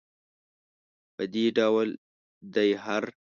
په دې ډول دی هر.